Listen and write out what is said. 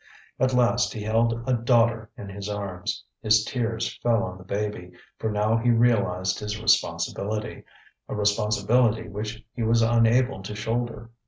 At last he held a daughter in his arms. His tears fell on the baby, for now he realised his responsibility, a responsibility which he was unable to shoulder.